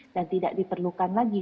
dan tidak diperlukan lagi